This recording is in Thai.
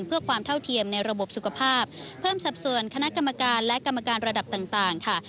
เพื่อความเท่าเทียมในระบบสุขภาพเพิ่มสัดส่วนคณะกรรมการและกรรมการระดับต่างค่ะ